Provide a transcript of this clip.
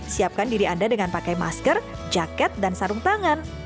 siapkan diri anda dengan pakai masker jaket dan sarung tangan